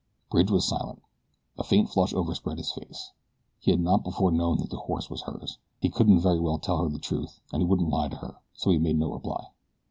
Bridge was silent. A faint flush overspread his face. He had not before known that the horse was hers. He couldn't very well tell her the truth, and he wouldn't lie to her, so he made no reply.